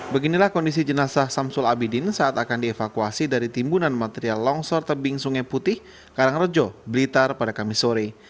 beginilah kondisi jenazah samsul abidin saat akan dievakuasi dari timbunan material longsor tebing sungai putih karangrejo blitar pada kamis sore